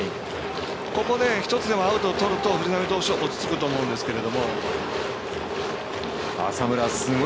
ここで１つでもアウトをとると藤浪投手は落ち着くと思うんですけど。